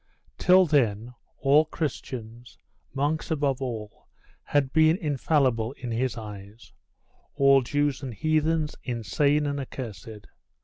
Till then all Christians, monks above all, had been infallible in his eyes: all Jews and heathens insane and accursed.